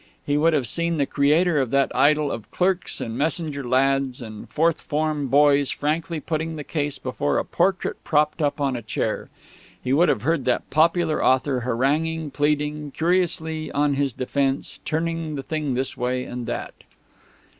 He would have seen the creator of that idol of clerks and messenger lads and fourth form boys frankly putting the case before a portrait propped up on a chair. He would have heard that popular author haranguing, pleading, curiously on his defence, turning the thing this way and that.